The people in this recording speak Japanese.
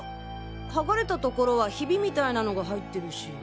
はがれた所はヒビみたいなのが入ってるし。